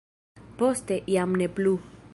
Poste jam ne plu.